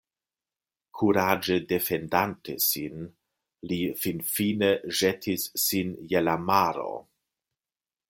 Kuraĝe defendante sin li finfine ĵetis sin je la maro.